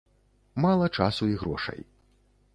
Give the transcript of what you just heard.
Мала часу і грошай.